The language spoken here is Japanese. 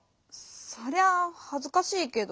そりゃあはずかしいけど。